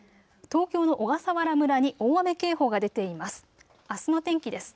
東京の小笠原村に大雨警報が出ています。